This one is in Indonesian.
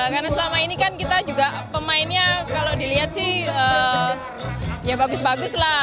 karena selama ini kan kita juga pemainnya kalau dilihat sih ya bagus bagus lah